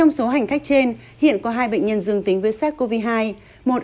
trong số hành khách trên hiện có hai bệnh nhân dương tính với sát covid